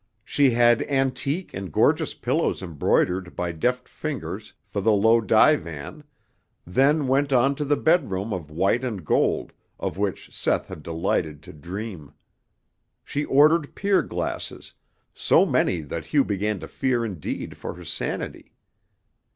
She had antique and gorgeous pillows embroidered by deft fingers for the low divan, then went on to the bed room of white and gold, of which Seth had delighted to dream. She ordered pier glasses, so many that Hugh began to fear indeed for her sanity.